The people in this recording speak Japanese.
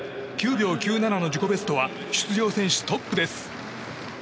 ９秒９７の自己ベストは出場選手トップです。